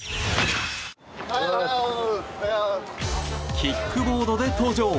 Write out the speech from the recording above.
キックボードで登場。